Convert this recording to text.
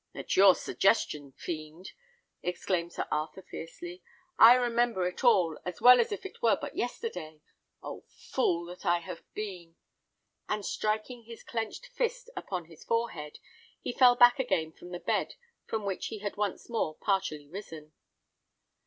"At your suggestion, fiend!" exclaimed Sir Arthur, fiercely. "I remember it all, as well as if it were but yesterday. Oh! fool that I have been!" And striking his clenched fist upon his forehead, he fell back again upon the bed from which he had once more partially risen.